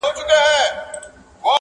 ما ورکتل چي د مرګي پياله یې ونوشله-